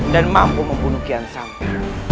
dan mampu membunuh kian sampo